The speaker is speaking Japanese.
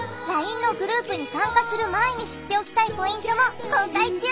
ＬＩＮＥのグループに参加する前に知っておきたいポイントも公開中